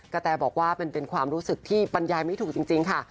แตบอกว่ามันเป็นความรู้สึกที่บรรยายไม่ถูกจริงค่ะ